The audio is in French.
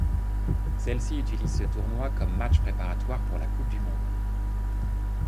Celles-ci utilisent ce tournoi comme matches préparatoires pour la Coupe du monde.